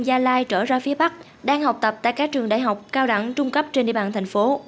gia lai trở ra phía bắc đang học tập tại các trường đại học cao đẳng trung cấp trên địa bàn thành phố